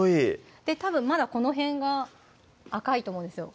たぶんまだこの辺が赤いと思うんですよ